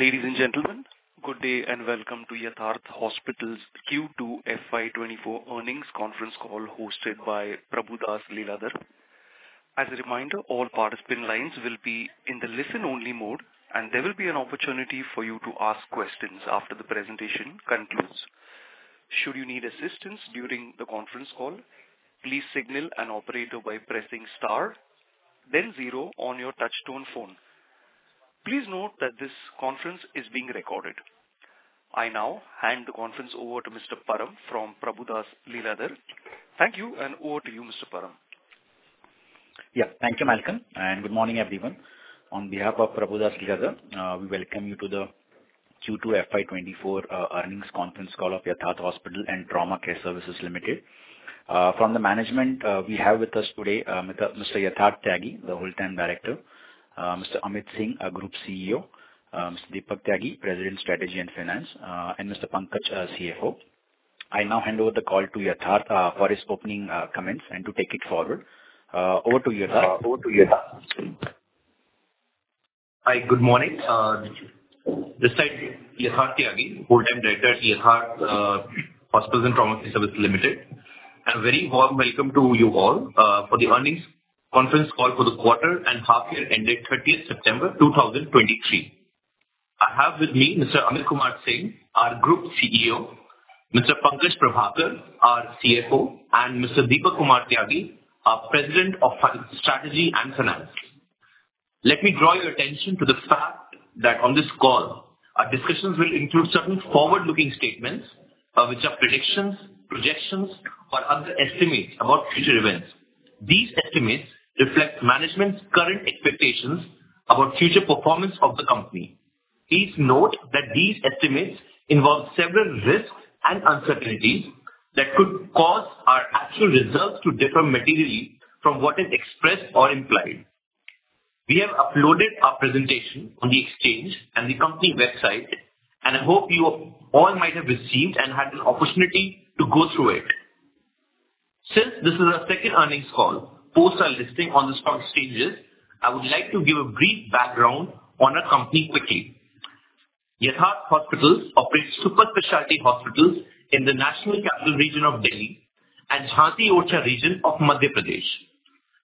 Ladies and gentlemen, good day and welcome to Yatharth Hospitals' Q2 FY24 earnings conference call hosted by Prabhudas Lilladher. As a reminder, all participant lines will be in the listen-only mode, and there will be an opportunity for you to ask questions after the presentation concludes. Should you need assistance during the conference call, please signal an operator by pressing star, then zero on your touch-tone phone. Please note that this conference is being recorded. I now hand the conference over to Mr. Param from Prabhudas Lilladher. Thank you, and over to you, Mr. Param. Yeah, thank you, Malcolm, and good morning, everyone. On behalf of Prabhudas Lilladher, we welcome you to the Q2 FY24 earnings conference call of Yatharth Hospitals & Trauma Care Services Limited. From the management, we have with us today Mr. Yatharth Tyagi, the Whole-time Director, Mr. Amit Singh, Group CEO, Mr. Deepak Tyagi, President, Strategy and Finance, and Mr. Pankaj, CFO. I now hand over the call to Yatharth for his opening comments and to take it forward. Over to Yatharth. Hi, good morning. This is Yatharth Tyagi, Whole-time Director at Yatharth Hospitals & Trauma Care Services Limited. A very warm welcome to you all for the earnings conference call for the quarter and half-year ended 30th September 2023. I have with me Mr. Amit Kumar Singh, our Group CEO, Mr. Pankaj Prabhakar, our CFO, and Mr. Deepak Kumar Tyagi, our President of Strategy and Finance. Let me draw your attention to the fact that on this call, our discussions will include certain forward-looking statements which are predictions, projections, or other estimates about future events. These estimates reflect management's current expectations about future performance of the company. Please note that these estimates involve several risks and uncertainties that could cause our actual results to differ materially from what is expressed or implied. We have uploaded our presentation on the exchange and the company website, and I hope you all might have received and had an opportunity to go through it. Since this is our second earnings call post our listing on the stock exchanges, I would like to give a brief background on our company quickly. Yatharth Hospitals operates super-specialty hospitals in the National Capital Region of Delhi and Jhansi-Orchha region of Madhya Pradesh.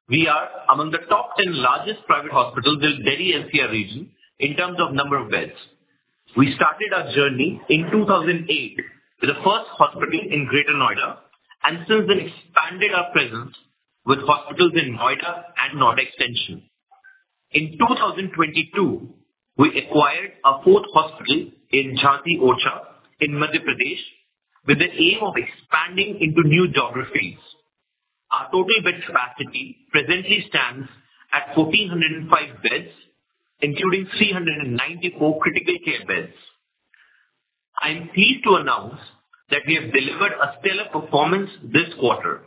We are among the top 10 largest private hospitals in the Delhi-NCR region in terms of number of beds. We started our journey in 2008 with the first hospital in Greater Noida, and since then expanded our presence with hospitals in Noida and Noida Extension. In 2022, we acquired a fourth hospital in Jhansi-Orchha in Madhya Pradesh with the aim of expanding into new geographies. Our total bed capacity presently stands at 1,405 beds, including 394 critical care beds. I am pleased to announce that we have delivered a stellar performance this quarter.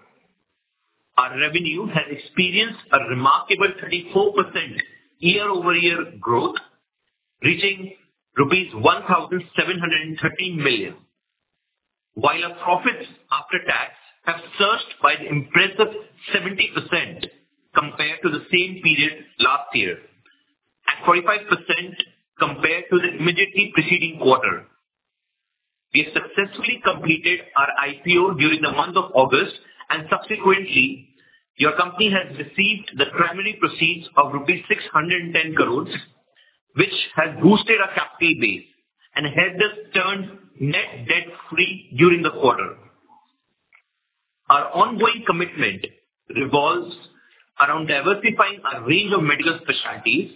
Our revenue has experienced a remarkable 34% year-over-year growth, reaching rupees 1,713 million, while our profits after tax have surged by an impressive 70% compared to the same period last year and 45% compared to the immediately preceding quarter. We have successfully completed our IPO during the month of August, and subsequently, your company has received the primary proceeds of 610 crores rupees, which has boosted our capital base and helped us turn net debt free during the quarter. Our ongoing commitment revolves around diversifying our range of medical specialties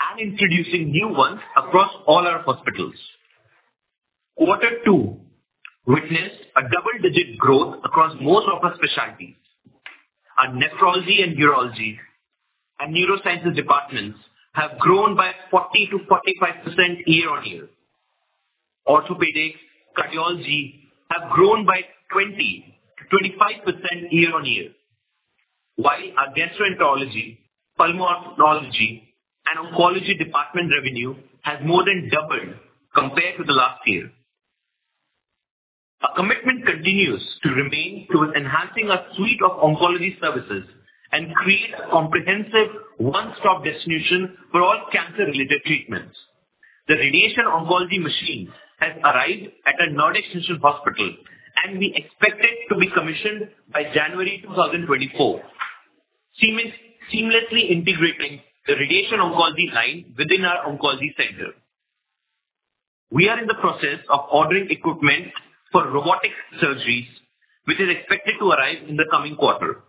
and introducing new ones across all our hospitals. Quarter two witnessed a double-digit growth across most of our specialties. Our Nephrology and Urology and Neurosciences departments have grown by 40% to 45% year-on-year. Orthopedics and Cardiology have grown by 20%-25% year-on-year, while our Gastroenterology, Pulmonology, and Oncology department revenue has more than doubled compared to the last year. Our commitment continues to remain towards enhancing our suite of oncology services and create a comprehensive one-stop destination for all cancer-related treatments. The Radiation Oncology machine has arrived at our Noida Extension Hospital, and we expect it to be commissioned by January 2024, seamlessly integrating the Radiation Oncology line within our Oncology Center. We are in the process of ordering equipment for robotic surgeries, which is expected to arrive in the coming quarter.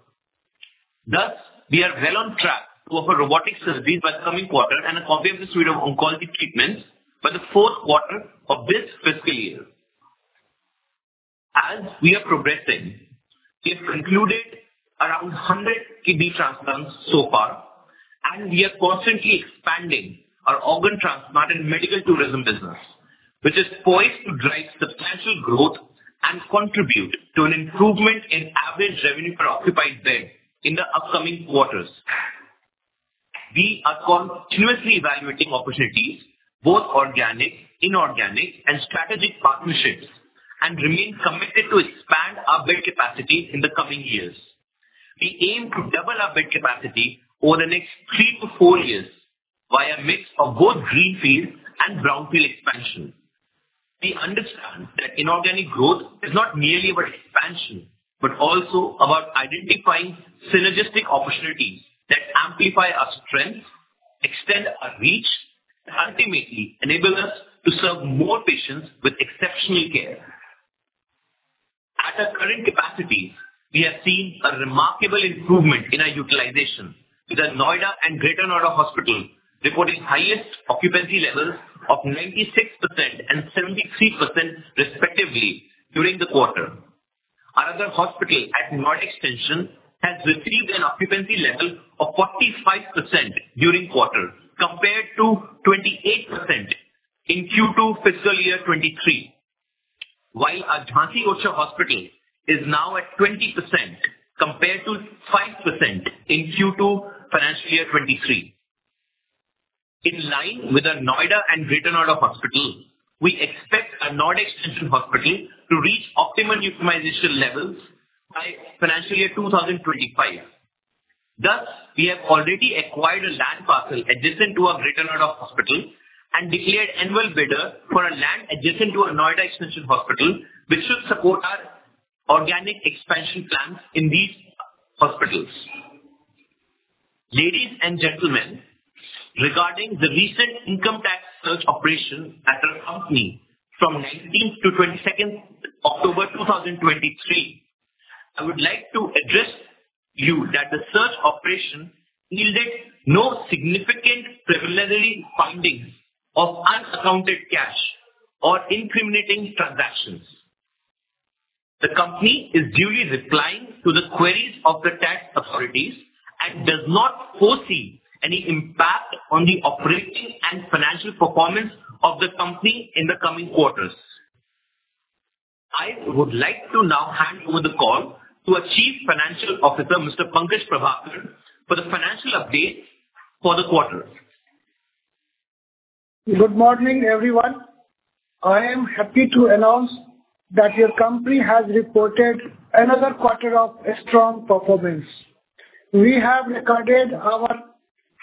Thus, we are well on track to offer robotic surgeries by the coming quarter and a comprehensive suite of oncology treatments by the fourth quarter of this fiscal year. As we are progressing, we have concluded around 100 kidney transplants so far, and we are constantly expanding our organ transplant and medical tourism business, which is poised to drive substantial growth and contribute to an improvement in average revenue per occupied bed in the upcoming quarters. We are continuously evaluating opportunities, both organic, inorganic, and strategic partnerships, and remain committed to expand our bed capacity in the coming years. We aim to double our bed capacity over the next three to four years via a mix of both greenfield and brownfield expansion. We understand that inorganic growth is not merely about expansion but also about identifying synergistic opportunities that amplify our strength, extend our reach, and ultimately enable us to serve more patients with exceptional care. At our current capacities, we have seen a remarkable improvement in our utilization, with Noida and Greater Noida Hospital reporting highest occupancy levels of 96% and 73%, respectively, during the quarter. Our other hospital at Noida Extension has received an occupancy level of 45% during the quarter compared to 28% in Q2 fiscal year 2023, while our Jhansi Orchha Hospital is now at 20% compared to 5% in Q2 financial year 2023. In line with our Noida and Greater Noida Hospital, we expect our Noida Extension Hospital to reach optimal utilization levels by financial year 2025. Thus, we have already acquired a land parcel adjacent to our Greater Noida Hospital and declared annual bidder for a land adjacent to our Noida Extension Hospital, which should support our organic expansion plans in these hospitals. Ladies and gentlemen, regarding the recent income tax search operation at our company from 19th to 22nd October 2023, I would like to assure you that the search operation yielded no significant preliminary findings of unaccounted cash or incriminating transactions. The company is duly replying to the queries of the tax authorities and does not foresee any impact on the operating and financial performance of the company in the coming quarters. I would like to now hand over the call to our Chief Financial Officer, Mr. Pankaj Prabhakar, for the financial updates for the quarter. Good morning, everyone. I am happy to announce that your company has reported another quarter of strong performance. We have recorded our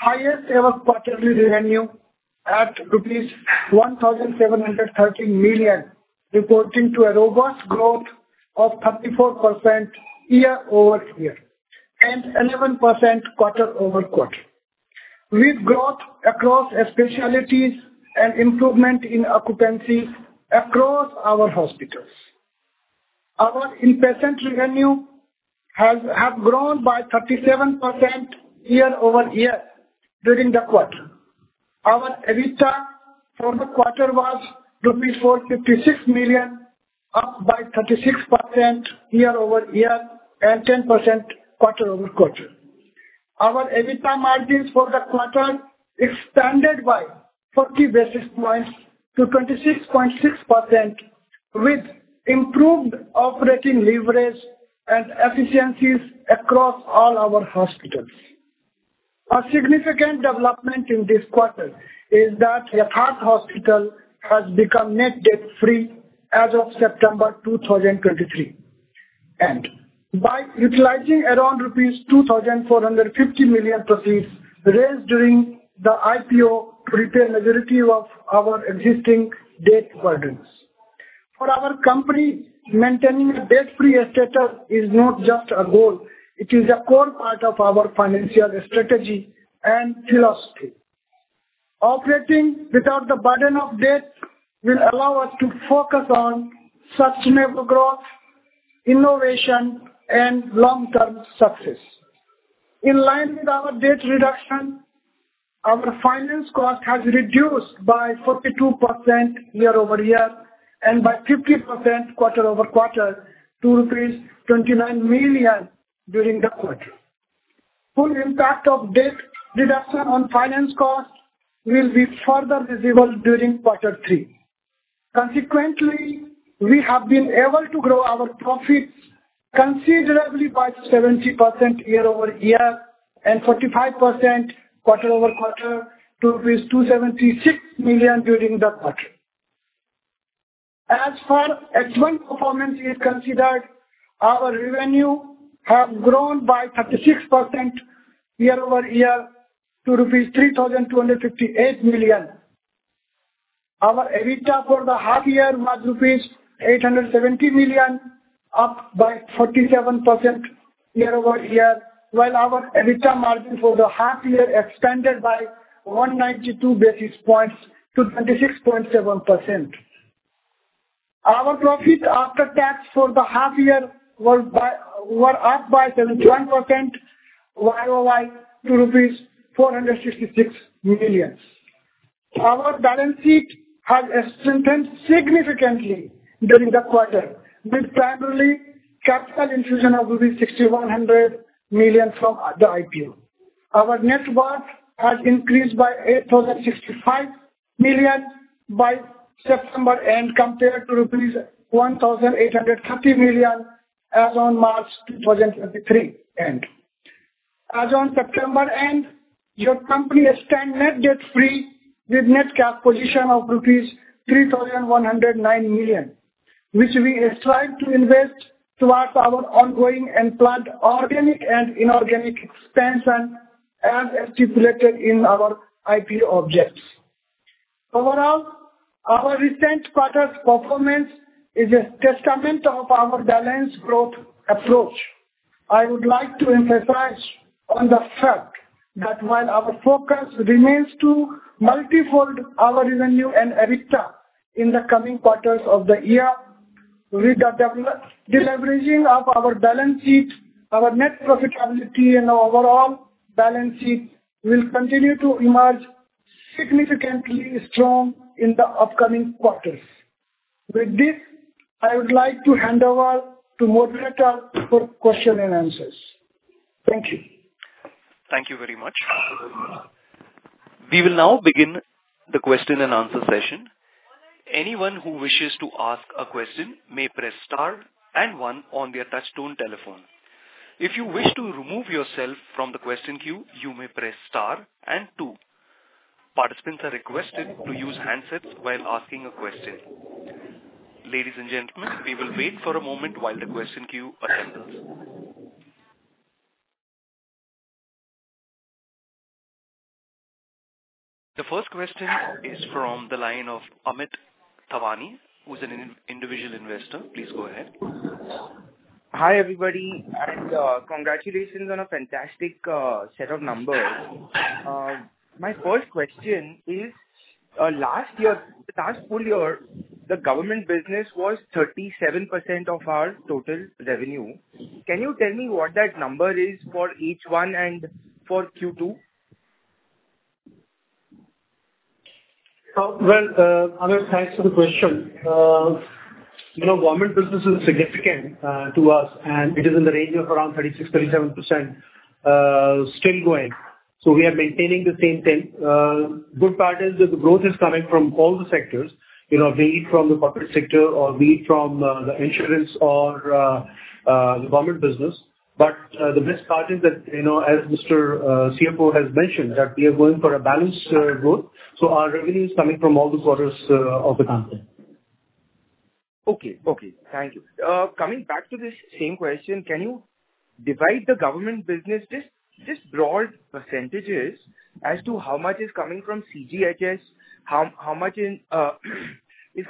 highest-ever quarterly revenue at rupees 1,713 million, reporting a robust growth of 34% year-over-year and 11% quarter-over-quarter, with growth across specialties and improvement in occupancy across our hospitals. Our in-patient revenue has grown by 37% year-over-year during the quarter. Our EBITDA for the quarter was 456 million rupees, up by 36% year-over-year and 10% quarter-over-quarter. Our EBITDA margins for the quarter expanded by 40 basis points to 26.6%, with improved operating leverage and efficiencies across all our hospitals. A significant development in this quarter is that Yatharth Hospital has become net debt free as of September 2023, and by utilizing around rupees 2,450 million proceeds raised during the IPO to repay a majority of our existing debt burdens. For our company, maintaining a debt-free status is not just a goal. It is a core part of our financial strategy and philosophy. Operating without the burden of debt will allow us to focus on sustainable growth, innovation, and long-term success. In line with our debt reduction, our finance cost has reduced by 42% year-over-year and by 50% quarter-over-quarter to rupees 29 million during the quarter. Full impact of debt reduction on finance cost will be further visible during quarter three. Consequently, we have been able to grow our profits considerably by 70% year-over-year and 45% quarter-over-quarter to 276 million during the quarter. As far as advanced performance is considered, our revenue has grown by 36% year-over-year to rupees 3,258 million. Our EBITDA for the half-year was rupees 870 million, up by 47% year-over-year, while our EBITDA margin for the half-year expanded by 192 basis points to 26.7%. Our profits after tax for the half-year were up by 71% YOY to rupees 466 million. Our balance sheet has strengthened significantly during the quarter, with primarily capital infusion of rupees 6,100 million from the IPO. Our net worth has increased by 8,065 million by September end compared to rupees 1,830 million as of March 2023. As of September end, your company stands net debt free with net cash position of rupees 3,109 million, which we strive to invest towards our ongoing and planned organic and inorganic expansion as stipulated in our IPO objectives. Overall, our recent quarter's performance is a testament to our balanced growth approach. I would like to emphasize the fact that while our focus remains to multifold our revenue and EBITDA in the coming quarters of the year, with the leveraging of our balance sheet, our net profitability, and our overall balance sheet will continue to emerge significantly strong in the upcoming quarters. With this, I would like to hand over to Moderator for questions and answers. Thank you. Thank you very much. We will now begin the question and answer session. Anyone who wishes to ask a question may press Star and 1 on their touch-tone telephone. If you wish to remove yourself from the question queue, you may press Star and 2. Participants are requested to use handsets while asking a question. Ladies and gentlemen, we will wait for a moment while the question queue assembles. The first question is from the line of Amit Thawani, who's an individual investor. Please go ahead. Hi everybody, and congratulations on a fantastic set of numbers. My first question is, last year, the past full year, the government business was 37% of our total revenue. Can you tell me what that number is for H1 and for Q2? Amit, thanks for the question. Government business is significant to us, and it is in the range of around 36%-37%, still going. So we are maintaining the same thing. Good part is that the growth is coming from all the sectors, be it from the corporate sector or be it from the insurance or the government business. But the best part is that, as Mr. CFO has mentioned, that we are going for a balanced growth. So our revenue is coming from all the quarters of the company. Okay. Okay. Thank you. Coming back to this same question, can you divide the government business just broad percentages as to how much is coming from CGHS, how much is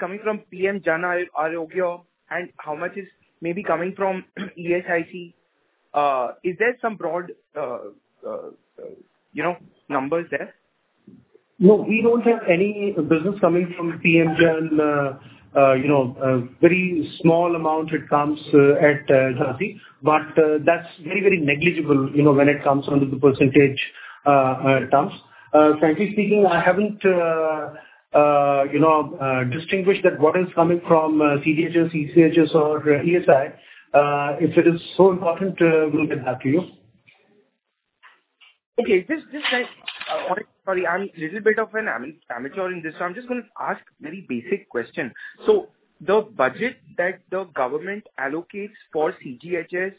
coming from PM Jan Arogya, and how much is maybe coming from ESIC? Is there some broad numbers there? No, we don't have any business coming from PM Jan. Very small amount, it comes at Jhansi, but that's very, very negligible when it comes under the percentage terms. Frankly speaking, I haven't distinguished that, what is coming from CGHS, ECHS, or ESI. If it is so important, we'll get back to you. Okay. Just a quick, sorry, I'm a little bit of an amateur in this, so I'm just going to ask a very basic question. So the budget that the government allocates for CGHS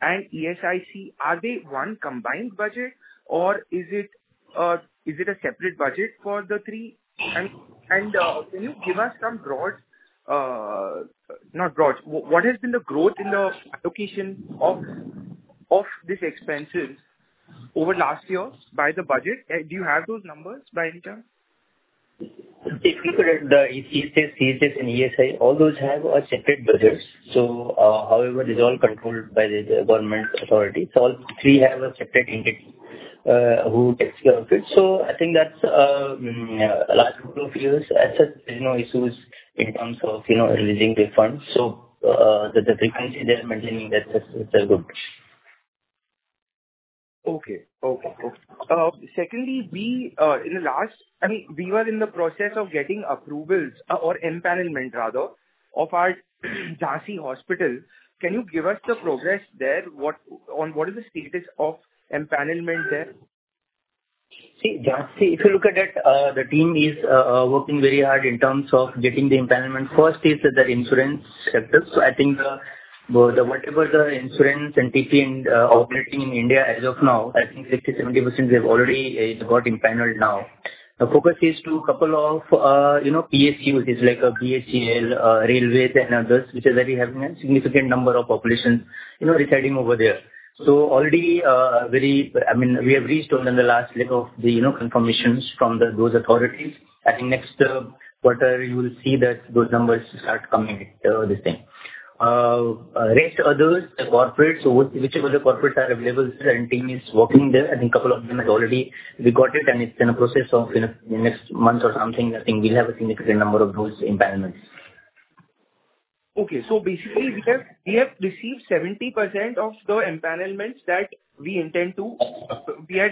and ESIC, are they one combined budget, or is it a separate budget for the three? And can you give us some broad, not broad, what has been the growth in the allocation of these expenses over last year by the budget? Do you have those numbers, by any chance? If we look at the ECHS, CGHS, and ESI, all those have separate budgets. So however, these are all controlled by the government authority. So all three have a separate entity who takes care of it. So I think that's a large number of payers as there are no issues in terms of releasing the funds. So the frequency they are maintaining, that's good. Okay. Secondly, in the last, I mean, we were in the process of getting approvals or empanelment, rather, of our Jhansi Hospital. Can you give us the progress there? What is the status of empanelment there? See, Jhansi, if you look at it, the team is working very hard in terms of getting the empanelment. First is that the insurance sector. So I think whatever the insurance and TP and operating in India as of now, I think 60%, 70% have already got empaneled now. The focus is to a couple of PSUs, like BHCL, Railways, and others, which are very heavy, significant number of populations residing over there. So already, I mean, we have reached within the last leg of the confirmations from those authorities. I think next quarter, you will see that those numbers start coming this time. Rest of those, the corporates, whichever the corporates are available, the entity is working there. I think a couple of them have already got it, and it's in the process of next month or something. I think we'll have a significant number of those empanelments. Okay. Basically, we have received 70% of the empanelments that we had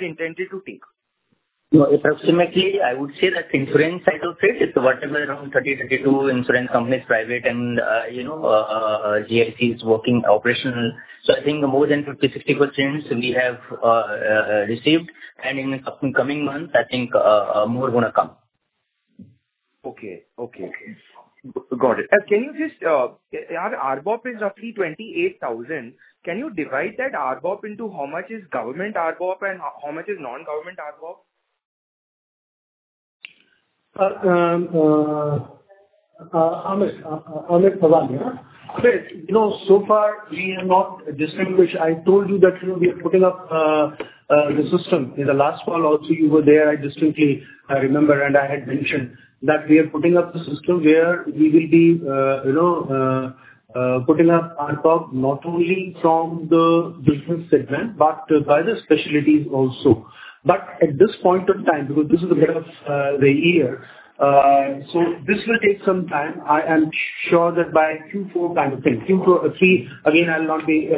intended to take. Approximately, I would say that insurance side of it, it's whatever around 30%-32% insurance companies, private, and GICs working operational. So I think more than 50%-60% we have received, and in the coming months, I think more are going to come. Okay. Got it. Our RBOP is roughly 28,000. Can you divide that RBOP into how much is government RBOP and how much is non-government RBOP? Amit Thawani, huh? So far, we have not distinguished. I told you that we are putting up the system in the last call. Also, you were there. I distinctly remember, and I had mentioned that we are putting up the system where we will be putting up RBOP not only from the business segment, but by the specialties also. But at this point in time, because this is the middle of the year, so this will take some time. I am sure that by Q4 kind of thing. Q4 or Q3, again, I'll not be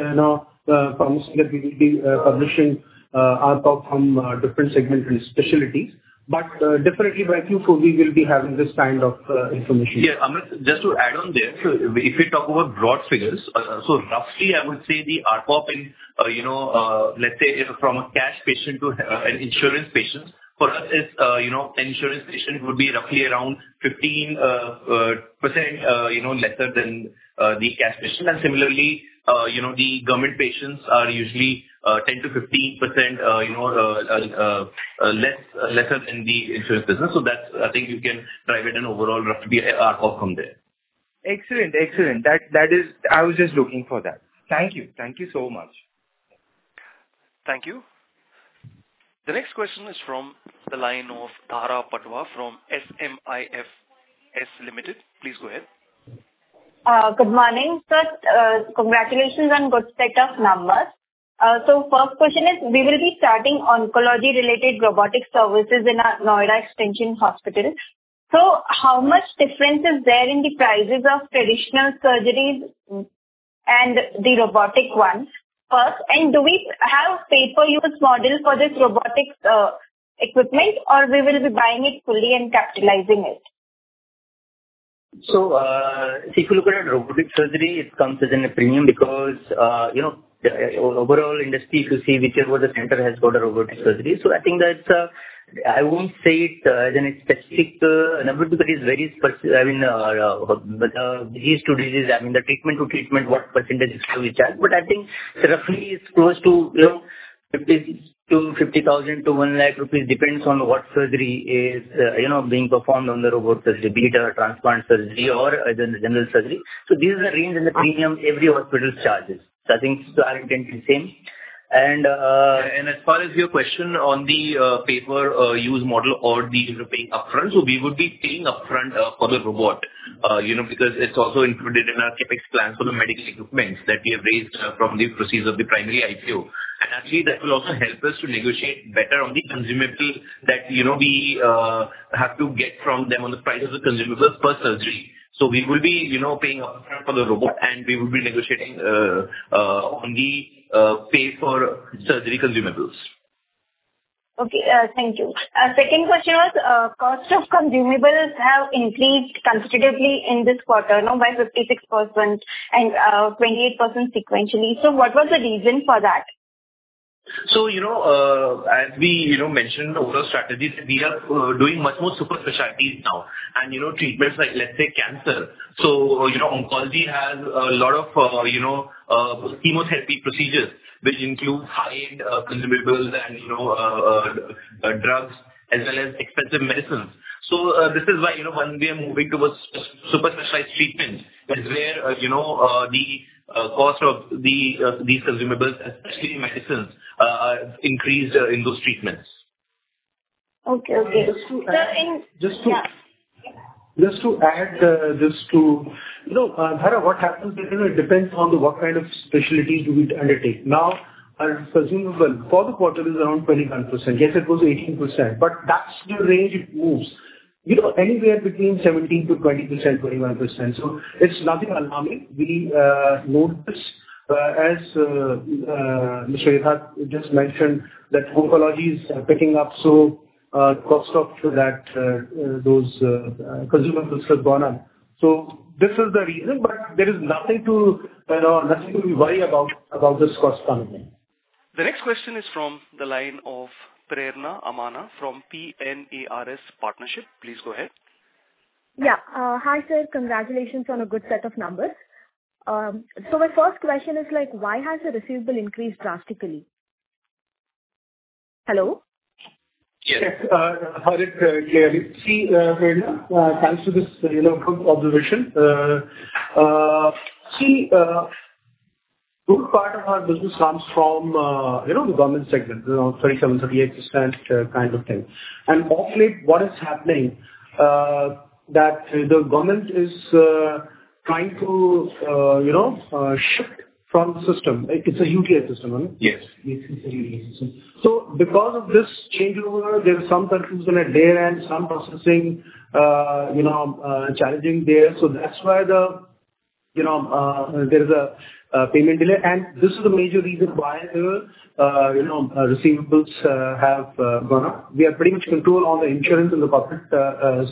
promising that we will be publishing RBOP from different segments and specialties. But definitely, by Q4, we will be having this kind of information. Yeah. Amit, just to add on there, if we talk about broad figures, so roughly, I would say the RBOP in, let's say, from a cash patient to an insurance patient, for us, an insurance patient would be roughly around 15% lesser than the cash patient. And similarly, the government patients are usually 10%-15% lesser than the insurance business. So that's, I think you can drive it in overall roughly RBOP from there. Excellent. Excellent. I was just looking for that. Thank you. Thank you so much. Thank you. The next question is from the line of Dhara Patwa from SMIFS Limited. Please go ahead. Good morning, sir. Congratulations on a good set of numbers. So first question is, we will be starting oncology-related robotic services in our Noida Extension Hospital. So how much difference is there in the prices of traditional surgeries and the robotic ones? And do we have a pay-per-use model for this robotic equipment, or we will be buying it fully and capitalizing it? So if you look at robotic surgery, it comes as a premium because overall industry, if you see whichever the center has got a robotic surgery. So I think that's a. I won't say it as a specific number because it is very. I mean, the disease to disease, I mean, the treatment to treatment, what percentage is to which. But I think roughly it's close to 50,000-1 lakh rupees, depends on what surgery is being performed on the robot surgery, be it a transplant surgery or a general surgery. So this is the range and the premium every hospital charges. So I think it's guaranteed the same. And. As far as your question on the pay-per-use model. We're paying upfront. So we would be paying upfront for the robot because it's also included in our CAPEX plan for the medical equipment that we have raised from the proceeds of the primary IPO. Actually, that will also help us to negotiate better on the consumables that we have to get from them on the price of the consumables per surgery. So we will be paying upfront for the robot, and we will be negotiating on the pay-per-surgery consumables. Okay. Thank you. Second question was, cost of consumables have increased considerably in this quarter, by 56% and 28% sequentially. So what was the reason for that? So as we mentioned in the overall strategy, we are doing much more super specialties now. And treatments like, let's say, cancer. So Oncology has a lot of chemotherapy procedures, which includes high-end consumables and drugs as well as expensive medicines. So this is why when we are moving towards super specialized treatments, it's where the cost of these consumables, especially medicines, increased in those treatments. Okay. So in. Just to add this to Dhara, what happens is it depends on what kind of specialties do we undertake. Now, for consumables, for the quarter, it is around 21%. Yesterday, it was 18%, but that's the range it moves. Anywhere between 17% to 21%. So it's nothing alarming. We noticed, as Mr. Yatharth just mentioned, that oncology is picking up, so the cost of those consumables has gone up. So this is the reason, but there is nothing to worry about this cost coming in. The next question is from the line of Pranav Amana from PNARS Partnership. Please go ahead. Yeah. Hi, sir. Congratulations on a good set of numbers. So my first question is, why has the receivable increased drastically? Hello? Yes. I heard it clearly. See, Pranav, thanks to this observation, see, a good part of our business comes from the government segment, 37%, 38% kind of thing. And of late, what is happening that the government is trying to shift from the system. It's a UTI system, right? Yes. Yes, it's a UTI system. So because of this changeover, there is some confusion at their end, some processing challenges there. So that's why there is a payment delay. And this is the major reason why the receivables have gone up. We have pretty much control on the insurance and the public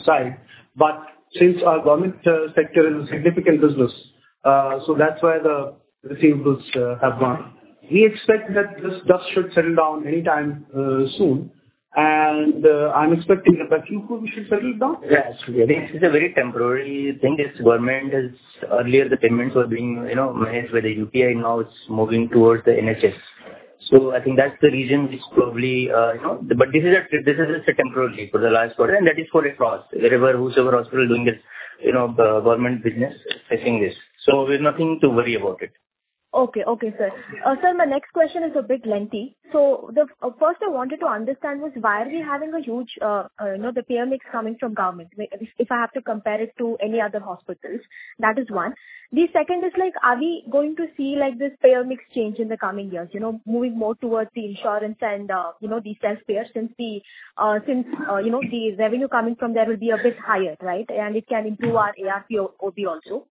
side. But since our government sector is a significant business, so that's why the receivables have gone up. We expect that this dust should settle down anytime soon. And I'm expecting that by Q4, we should settle it down? Yeah. It's a very temporary thing. Government, earlier, the payments were being managed by the UPI. Now, it's moving towards the NHS. So I think that's the reason it's probably, but this is just a temporary for the last quarter. And that is across, wherever whichever hospital is doing its government business, facing this. So there's nothing to worry about it. Okay. Okay, sir. Also, my next question is a bit lengthy. So first, I wanted to understand why are we having a huge payer mix coming from government? If I have to compare it to any other hospitals, that is one. The second is, are we going to see this payer mix change in the coming years, moving more towards the insurance and the self-payers since the revenue coming from there will be a bit higher, right? And it can improve our ARPOP also.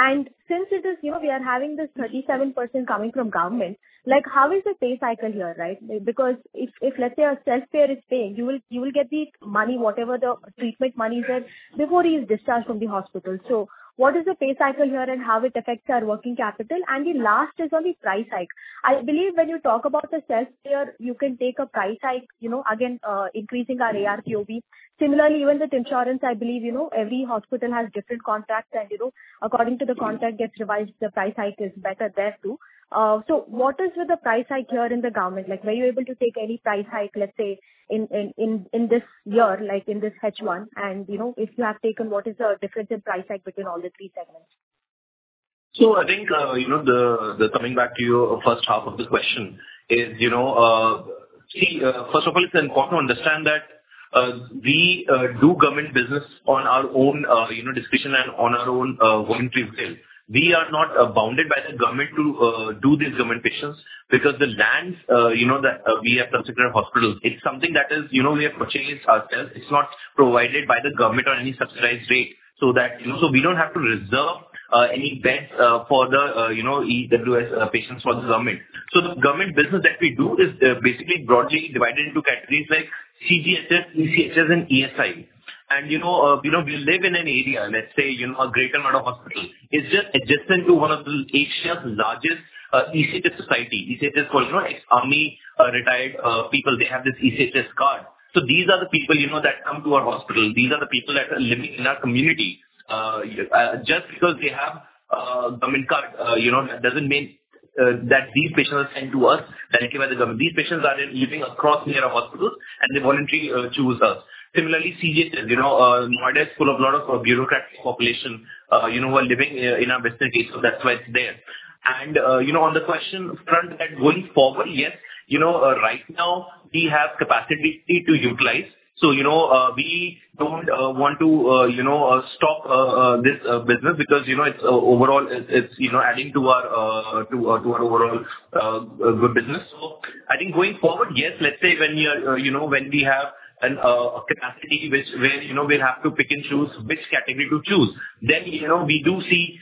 And since we are having this 37% coming from government, how is the pay cycle here, right? Because if, let's say, a self-payer is paying, you will get the money, whatever the treatment money is, before he is discharged from the hospital. So what is the pay cycle here and how it affects our working capital? And the last is on the price hike. I believe when you talk about the self-payer, you can take a price hike, again, increasing our ARPOP. Similarly, even with insurance, I believe every hospital has different contracts, and according to the contract gets revised. The price hike is better there too, so what is the price hike here in the government? Were you able to take any price hike, let's say, in this year, in this H1, and if you have taken, what is the difference in price hike between all the three segments? So, I think coming back to your first half of the question is, see, first of all, it's important to understand that we do government business on our own decision and on our own voluntary will. We are not bound by the government to do these government decisions because the land that we have subsidiary hospitals, it's something that we have purchased ourselves. It's not provided by the government on any subsidized rate. So we don't have to reserve any beds for the EWS patients for the government. So the government business that we do is basically broadly divided into categories like CGHS, ECHS, and ESI. And our Greater Noida hospital is just adjacent to one of Asia's largest ECHS polyclinics. ECHS for ex-servicemen, retired people. They have this ECHS card. So these are the people that come to our hospital. These are the people that are living in our community. Just because they have a government card doesn't mean that these patients are sent to us directly by the government. These patients are living across near our hospitals, and they voluntarily choose us. Similarly, CGHS, Noida is full of a lot of bureaucratic population who are living in our western NCR. So that's why it's there, and on the question front that going forward, yes, right now, we have capacity to utilize. So we don't want to stop this business because overall, it's adding to our overall good business. So I think going forward, yes, let's say when we have a capacity where we'll have to pick and choose which category to choose, then we do see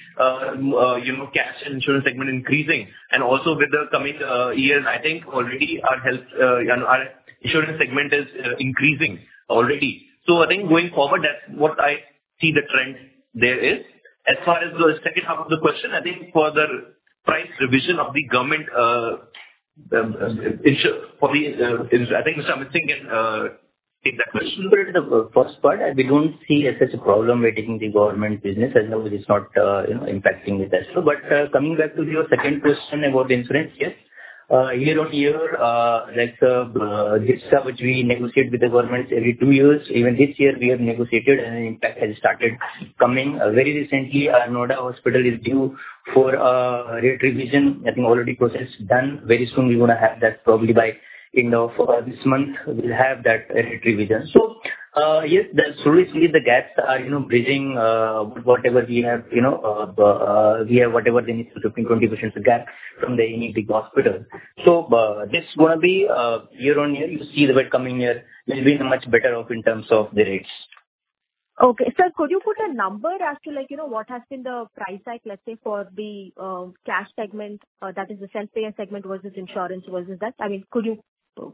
cash and insurance segment increasing, and also, with the coming years, I think already our health insurance segment is increasing already. So I think going forward, that's what I see the trend there is. As far as the second half of the question, I think for the price revision of the government, I think Mr. Amit Singh can take that question. Just to go to the first part, we don't see such a problem with taking the government business as long as it's not impacting it as well. But coming back to your second question about the insurance, yes. Year on year, like CGHS, which we negotiate with the government every two years, even this year, we have negotiated, and the impact has started coming. Very recently, our Noida Hospital is due for a rate revision. I think already process done very soon. We're going to have that probably by end of this month. We'll have that rate revision. So yes, slowly, slowly, the gaps are bridging whatever we have. We have whatever the need to 15%-20% gap from the NCR hospital. So this is going to be year on year. You see the way coming year will be much better off in terms of the rates. Okay. Sir, could you put a number as to what has been the price hike, let's say, for the cash segment, that is, the self-payer segment versus insurance versus that? I mean, could you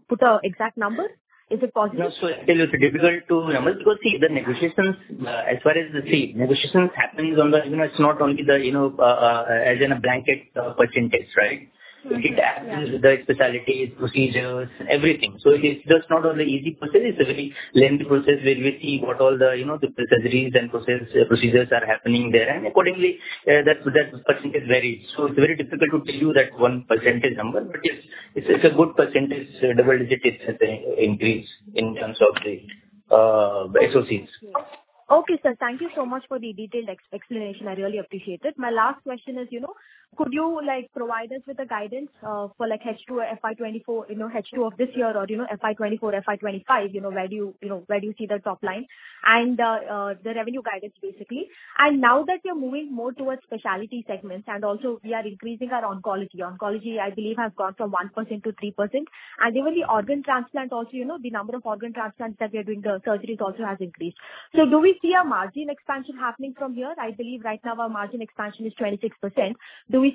put an exact number? Is it positive? No. So it's difficult to remember because the negotiations, as far as the negotiations happen on the, it's not only as in a blanket percentage, right? It happens with the specialties, procedures, everything. So it's not only easy process. It's a very lengthy process where we see what all the surgeries and procedures are happening there. And accordingly, that percentage varies. So it's very difficult to tell you that one percentage number, but yes, it's a good percentage double-digit increase in terms of the SOCs. Okay, sir. Thank you so much for the detailed explanation. I really appreciate it. My last question is, could you provide us with the guidance for H2 FY24, H2 of this year or FY24, FY25, where do you see the top line and the revenue guidance, basically? And now that we are moving more towards specialty segments, and also, we are increasing our oncology. Oncology, I believe, has gone from 1% to 3%. And even the organ transplant, also the number of organ transplants that we are doing, the surgeries also has increased. So do we see a margin expansion happening from here? I believe right now, our margin expansion is 26%. Do we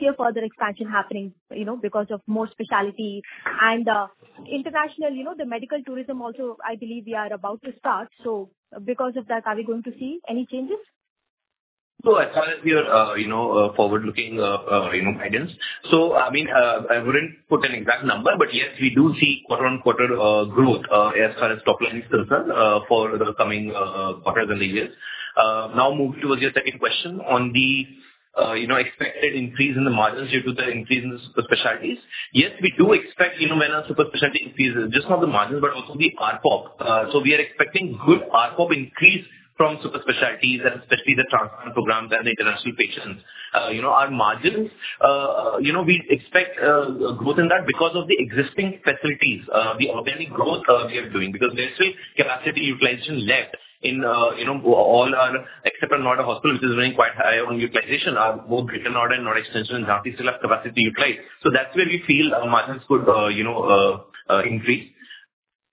see a further expansion happening because of more specialty? And internationally, the medical tourism also, I believe we are about to start. So because of that, are we going to see any changes? So as far as your forward-looking guidance, so I mean, I wouldn't put an exact number, but yes, we do see quarter-on-quarter growth as far as top line is concerned for the coming quarters and the years. Now, moving towards your second question on the expected increase in the margins due to the increase in the super specialties, yes, we do expect when our super specialty increases, not just the margins, but also the RPOP. So we are expecting good RPOP increase from super specialties, and especially the transplant programs and the international patients. Our margins, we expect growth in that because of the existing facilities, the organic growth we are doing because there's still capacity utilization left in all our except for Noida Hospital, which is running quite high on utilization. Both Greater Noida and Noida Extension and Jhansi still have capacity to utilize. So that's where we feel margins could increase.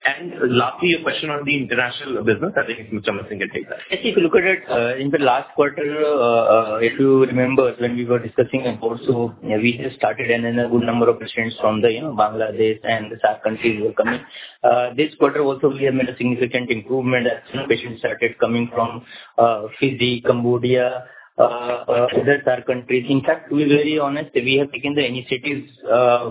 And lastly, your question on the international business, I think Mr. Amit Kumar Singh can take that. If you look at it, in the last quarter, if you remember when we were discussing and also, we had started and then a good number of patients from Bangladesh and the SAR countries were coming. This quarter also, we have made a significant improvement as patients started coming from Fiji, Cambodia, other SAR countries. In fact, to be very honest, we have taken the initiatives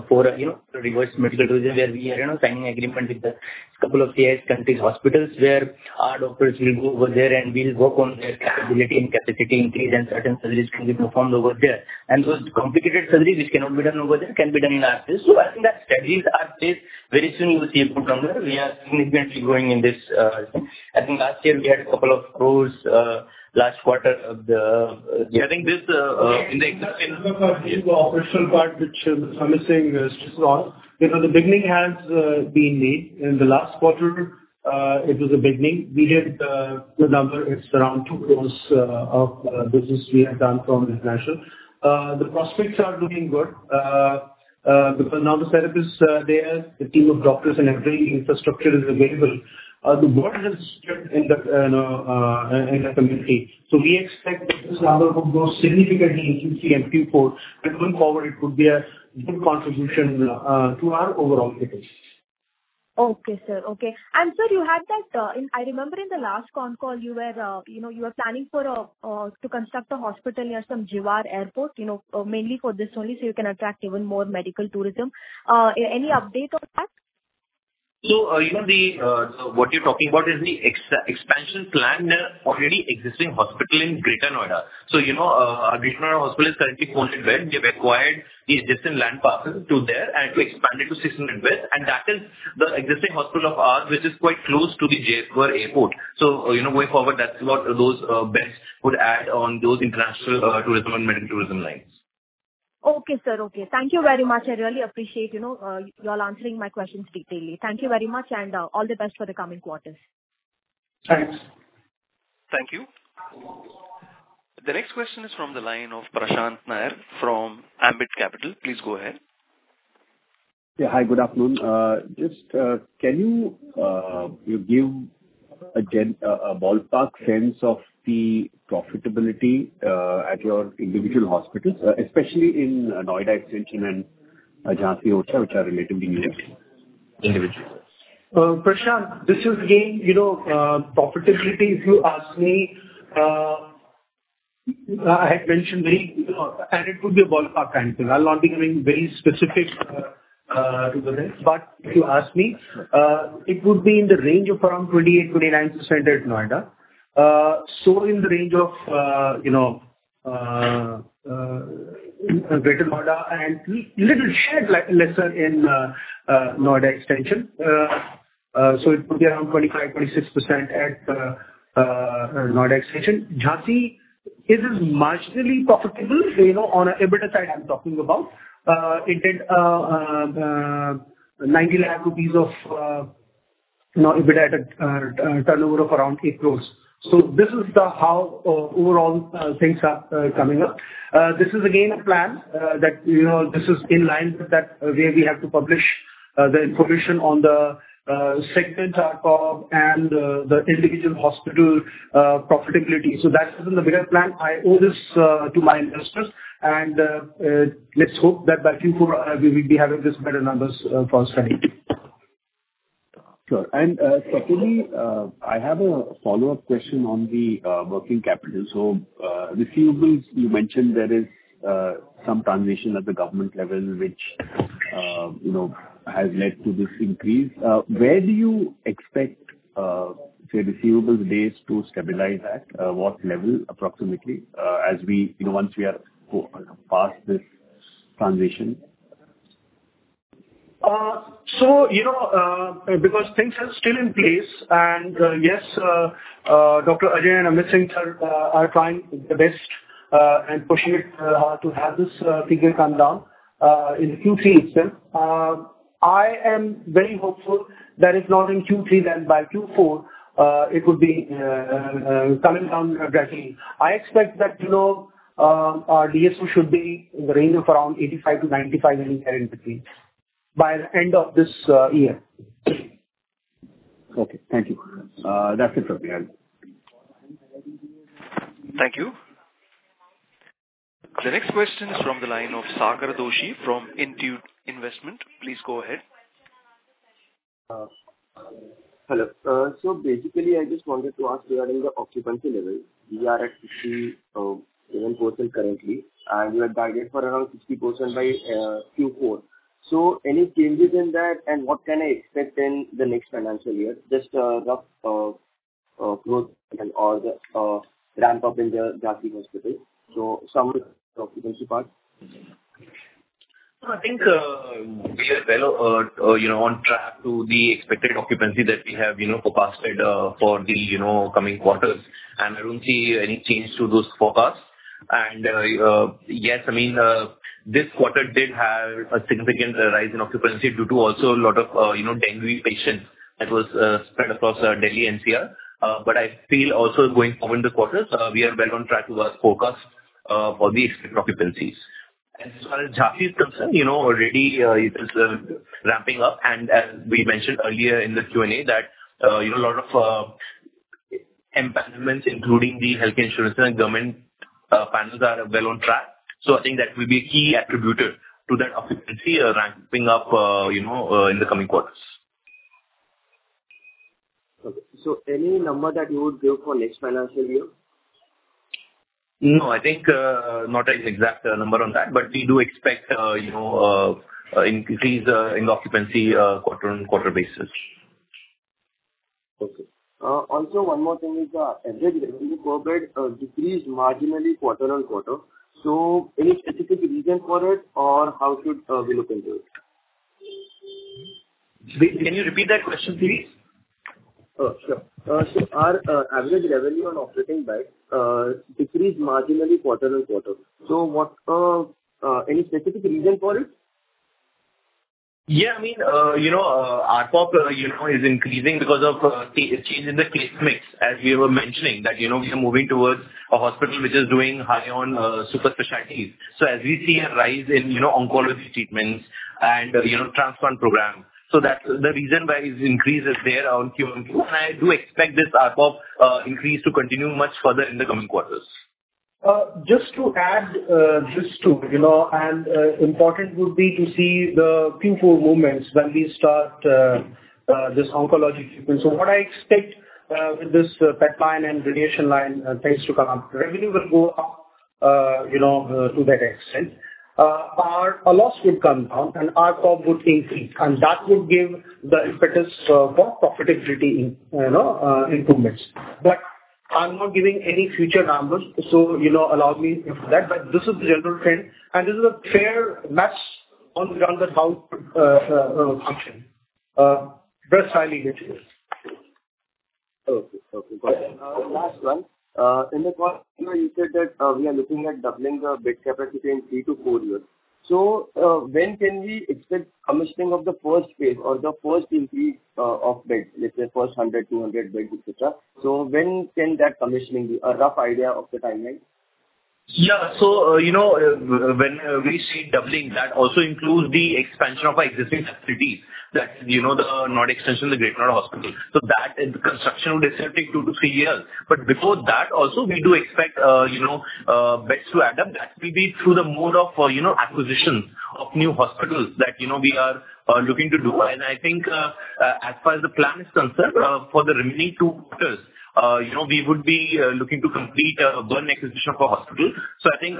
for reverse medical tourism where we are signing agreement with a couple of these countries' hospitals where our doctors will go over there and we'll work on their capability and capacity increase, and certain surgeries can be performed over there. And those complicated surgeries, which cannot be done over there, can be done in our place. So, I think that strategies are in place. Very soon, you will see a good number. We are significantly growing in this. I think last year, we had a couple of growths in the last quarter. I think this is an example. This is the operational part, which Mr. Amit Kumar Singh is just on. The beginning has been made. In the last quarter, it was a beginning. We did the number. It's around two growths of business we have done from international. The prospects are looking good because now the brachytherapy is there, the team of doctors, and every infrastructure is available. The world has shifted in the community. So we expect this number will grow significantly in Q3 and Q4, and going forward, it would be a good contribution to our overall business. Okay, sir. Okay. And sir, you had that I remember in the last con call, you were planning to construct a hospital near some Jewar Airport, mainly for this only, so you can attract even more medical tourism. Any update on that? What you're talking about is the expansion planned in an already existing hospital in Greater Noida. Greater Noida Hospital is currently 400 beds. We have acquired these adjacent land parcels thereto and to expand it to 600 beds. And that is the existing hospital of ours, which is quite close to the Jewar Airport. Going forward, that's what those beds would add on those international tourism and medical tourism lines. Okay, sir. Okay. Thank you very much. I really appreciate you all answering my questions detailed. Thank you very much, and all the best for the coming quarters. Thanks. Thank you. The next question is from the line of Prashant Nair from Ambit Capital. Please go ahead. Yeah. Hi, good afternoon. Just can you give a ballpark sense of the profitability at your individual hospitals, especially in Noida Extension and Jhansi Orchha, which are relatively new? Individual. Prashant? This is again profitability, if you ask me. I had mentioned earlier, and it would be a ballpark kind of thing. I'll not be going very specific to the things, but if you ask me, it would be in the range of around 28%-29% at Noida, so in the range of Greater Noida and a little bit lesser in Noida Extension, so it would be around 25%-26% at Noida Extension. Jhansi is marginally profitable. On EBITDA side, I'm talking about. It did 90 lakh rupees of EBITDA at a turnover of around 8 crore, so this is how overall things are coming up. This is again a plan that this is in line with that where we have to publish the information on the segment RPOP and the individual hospital profitability, so that's been the bigger plan. I owe this to my investors. Let's hope that by Q4, we will be having these better numbers for our study. Sure, and secondly, I have a follow-up question on the working capital. So receivables, you mentioned there is some transition at the government level, which has led to this increase. Where do you expect the receivables base to stabilize at? What level, approximately, once we are past this transition? So because things are still in place, and yes, Dr. Ajay and Amit Singh are trying the best and pushing it to have this figure come down in Q3 itself. I am very hopeful that if not in Q3, then by Q4, it would be coming down gradually. I expect that our DSO should be in the range of around 85-95 million in between by the end of this year. Okay. Thank you. That's it from me. Thank you. The next question is from the line of Sagar Doshi from Intuit Investments. Please go ahead. Hello. So basically, I just wanted to ask regarding the occupancy level. We are at 57% currently, and we are targeted for around 60% by Q4. So any changes in that, and what can I expect in the next financial year? Just a rough growth and/or the ramp-up in the Jhansi Hospital. So some of the occupancy part. So I think we are well on track to the expected occupancy that we have forecasted for the coming quarters. And I don't see any change to those forecasts. And yes, I mean, this quarter did have a significant rise in occupancy due to also a lot of dengue patients that was spread across Delhi and NCR. But I feel also going forward in the quarters, we are well on track to our forecast for the expected occupancies. And as far as Jhansi is concerned, already it is ramping up. And as we mentioned earlier in the Q&A, that a lot of empanelments, including the healthcare insurance and government panels, are well on track. So I think that will be a key contributor to that occupancy ramping up in the coming quarters. Okay. So any number that you would give for next financial year? No. I think not an exact number on that, but we do expect an increase in occupancy quarter-on-quarter basis. Okay. Also, one more thing is the average revenue per bed decreased marginally quarter-on-quarter. So any specific reason for it, or how should we look into it? Can you repeat that question, please? Oh, sure. So our average revenue on operating beds decreased marginally quarter-on-quarter. So any specific reason for it? Yeah. I mean, RPOP is increasing because of a change in the case mix, as we were mentioning, that we are moving towards a hospital which is doing high on super specialties. So as we see a rise in oncology treatments and transplant programs, so that's the reason why this increase is there on Q1. And I do expect this RPOP increase to continue much further in the coming quarters. Just to add this too, and important would be to see the Q4 movements when we start this oncology treatment. So what I expect with this PET line and radiation line tends to come up. Revenue will go up to that extent. Our loss would come down, and RPOP would increase. And that would give the impetus for profitability improvements. But I'm not giving any future numbers, so allow me for that. But this is the general trend. And this is a fair math on how it would function. That's highly good. Okay. Okay. Got it. Last one. In the quarters, you said that we are looking at doubling the bed capacity in three to four years. So when can we expect commissioning of the first phase or the first increase of beds, let's say first 100, 200 beds, etc.? So when can that commissioning be? A rough idea of the timeline? Yeah. So when we see doubling, that also includes the expansion of our existing facilities. That's the Noida Extension, the Greater Noida Hospital. So that construction would still take two to three years. But before that, also, we do expect beds to add up. That will be through the mode of acquisitions of new hospitals that we are looking to do. And I think as far as the plan is concerned, for the remaining two quarters, we would be looking to complete a brownfield acquisition of a hospital. So I think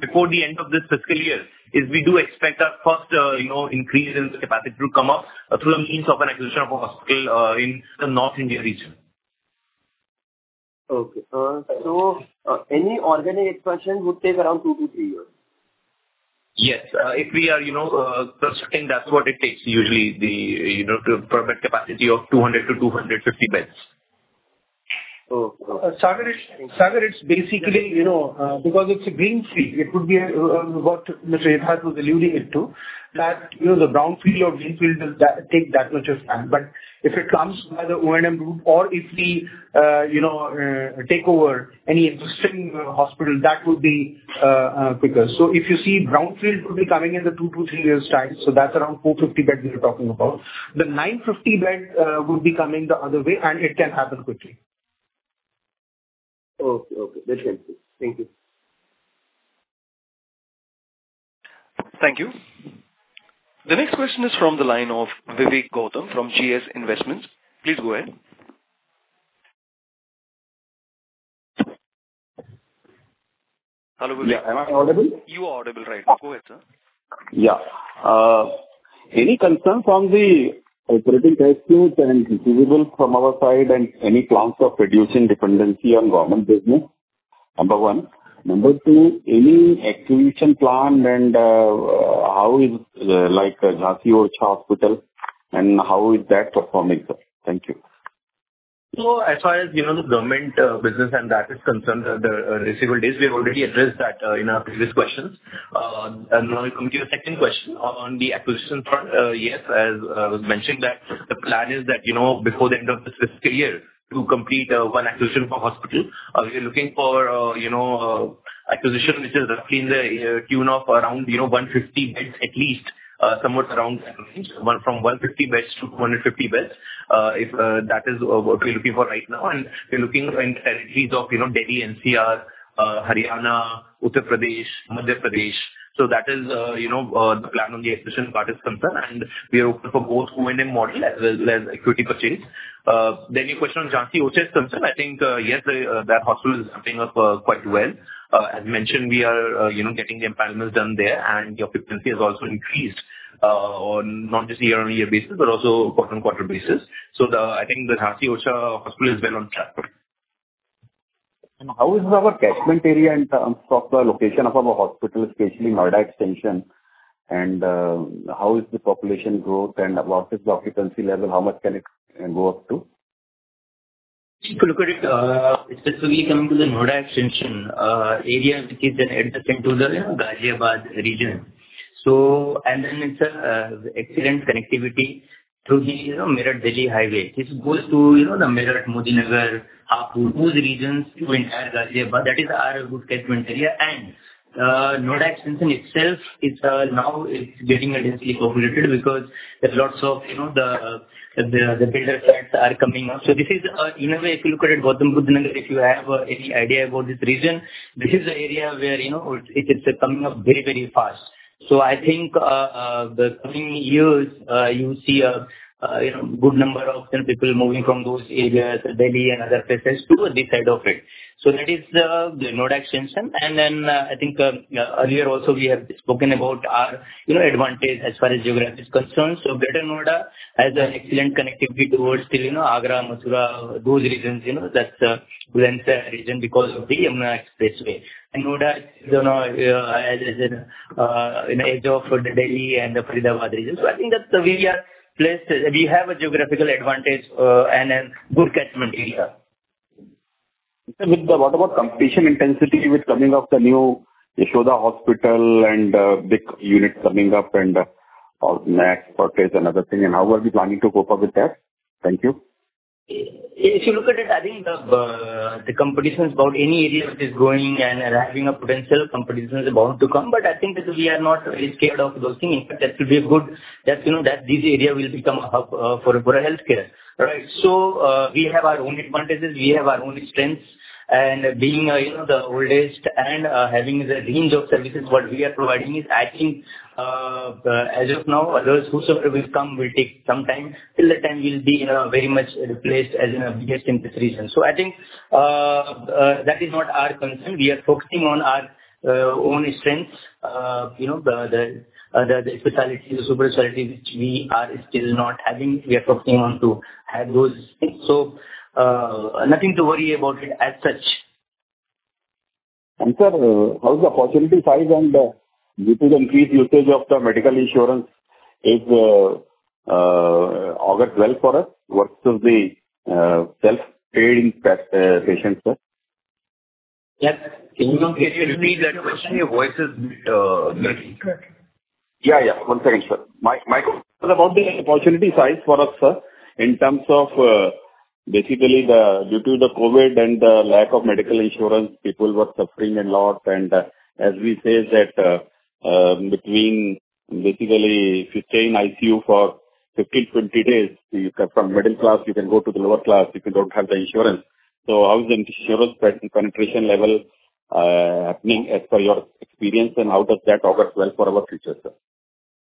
before the end of this fiscal year, we do expect our first increase in capacity to come up through the means of an acquisition of a hospital in the North India region. Okay, so any organic expansion would take around two to three years? Yes. If we are constructing, that's what it takes, usually, to a bed capacity of 200-250 beds. Okay. Sagar, it's basically because it's a greenfield. It would be what Mr. Yatharth was alluding to, that the brownfield or greenfield will take that much of time. But if it comes by the O&M route, or if we take over any existing hospital, that would be quicker. So if you see brownfield would be coming in the two to three years' time. So that's around 450 beds we are talking about. The 950 beds would be coming the other way, and it can happen quickly. Okay. Okay. That's fantastic. Thank you. Thank you. The next question is from the line of Vivek Gautam from GS Investments. Please go ahead. Hello, Vivek. Yeah. Am I audible? You are audible right now. Go ahead, sir. Yeah. Any concern from the occupancy trends in units and receivables from our side, and any plans of reducing dependency on government business? Number one. Number two, any acquisition plan, and how is Jhansi Orchha Hospital, and how is that performing? Thank you. As far as the government business and that is concerned, the receivables, we have already addressed that in our previous questions. Now we come to your second question on the acquisition front. Yes, as I was mentioning, the plan is that before the end of this fiscal year, to complete one acquisition for hospital, we are looking for acquisition which is roughly in the tune of around 150 beds at least, somewhere around that range, from 150 beds to 250 beds. That is what we're looking for right now. We're looking in territories of Delhi, NCR, Haryana, Uttar Pradesh, Madhya Pradesh. That is the plan on the acquisition part is concerned. We are open for both O&M model as well as equity purchase. Your question on Jhansi Orchha is concerned, I think yes, that hospital is ramping up quite well. As mentioned, we are getting the establishment done there, and the occupancy has also increased on not just year-on-year basis, but also quarter-on-quarter basis. So I think the Jhansi Orchha Hospital is well on track. And how is our catchment area in terms of the location of our hospital, especially Noida Extension? And how is the population growth, and what is the occupancy level? How much can it go up to? If you look at it specifically coming to the Noida Extension area, which is then adjacent to the Ghaziabad region. And then it's an excellent connectivity through the Meerut-Delhi highway. This goes to the Meerut, Modinagar, Hapur, those regions to entire Ghaziabad. That is our good catchment area. And Noida Extension itself is now getting intensely populated because there's lots of the builders' sites are coming up. So this is, in a way, if you look at it, Gautam Buddha Nagar, if you have any idea about this region, this is the area where it's coming up very, very fast. So I think the coming years, you will see a good number of people moving from those areas, Delhi and other places, to this side of it. So that is the Noida Extension. And then I think earlier also, we have spoken about our advantage as far as geography is concerned. Greater Noida has an excellent connectivity towards still Agra, Mathura, those regions. That's a good region because of the Yamuna Expressway. And Noida is in the edge of the Delhi and the Faridabad region. I think that we are placed. We have a geographical advantage and a good catchment area. What about competition intensity with coming of the new Yashoda Hospitals and big units coming up and Max Healthcare, Fortis Healthcare, and other things? And how are we planning to cope up with that? Thank you. If you look at it, I think the competition is about any area which is growing and having a potential. Competition is about to come, but I think that we are not scared of those things. In fact, that could be a good that this area will become a hub for healthcare. All right, so we have our own advantages. We have our own strengths. And being the oldest and having the range of services what we are providing is, I think, as of now, those who will come will take some time. Till that time, we'll be very much entrenched as the biggest in this region, so I think that is not our concern. We are focusing on our own strengths, the specialty, the super specialty, which we are still not having. We are focusing on to have those things, so nothing to worry about it as such. Sir, how is the opportunity size and due to the increased usage of the medical insurance, is ARPOB for us versus the self-paying patients, sir? Yes. Can you repeat that question? Your voice is messy. One second, sir. My question was about the opportunity size for us, sir, in terms of basically due to the COVID and the lack of medical insurance, people were suffering a lot. And as we say that between basically 15 lakh for 15-20 days, you can go from middle class to the lower class if you don't have the insurance. So how is the insurance penetration level happening as per your experience, and how does that augur for our future, sir? Thank you.